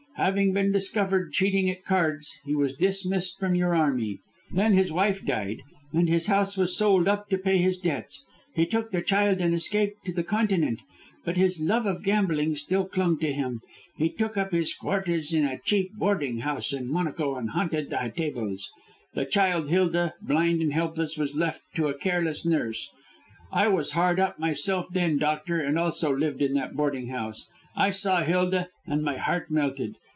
Having been discovered cheating at cards he was dismissed from your army. Then his wife died, and his house was sold up to pay his debts. He took the child and escaped to the Continent. But his love of gambling still clung to him. He took up his quarters in a cheap boarding house in Monaco, and haunted the tables. The child Hilda, blind and helpless, was left to a careless nurse. I was hard up myself then, doctor, and also lived in that boarding house. I saw Hilda, and my heart melted.